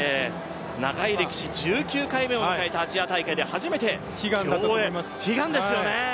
長い歴史、１９回目を迎えたアジア大会で初めて競泳、悲願ですよね。